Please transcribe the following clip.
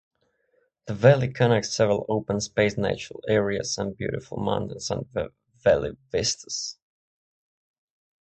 The valley connects several open space natural areas and beautiful mountain and valley vistas.